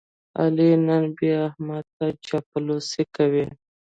علي نن بیا احمد ته چاپلوسي کوي.